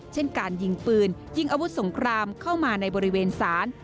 เช่นการยิงปืนยิงอาวุธสงครามเข้ามาในบริเวณศาล